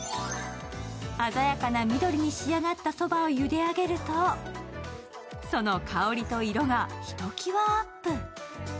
鮮やかな緑に仕上がったそばをゆで上げるとその香りと色がひときわアップ。